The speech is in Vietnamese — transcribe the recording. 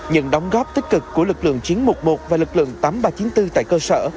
những đóng góp tích cực của lực lượng chiến một một và lực lượng tám nghìn ba trăm chín mươi bốn tại cơ sở